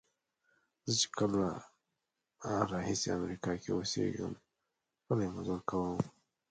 زه چې کله راهیسې امریکا کې اوسېږم پلی مزل کوم.